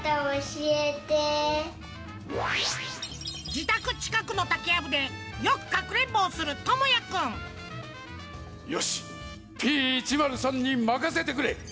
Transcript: じたくちかくのたけやぶでよくかくれんぼをするともやくんよしＰ１０３にまかせてくれ。